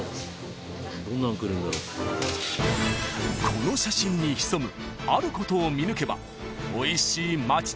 ［この写真に潜むあることを見抜けばおいしい町中華が食べられる］